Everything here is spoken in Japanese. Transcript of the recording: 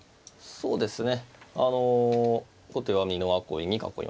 そうですね。